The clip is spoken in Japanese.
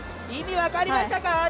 意味分かりましたか？